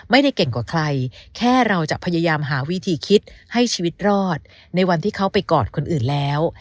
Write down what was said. ไม่ได้เก่งกว่าใครแค่เราจะพยายามหาวิธีคิดให้ชีวิตรอดในวันที่เขาไปกอดคนอื่นแล้ว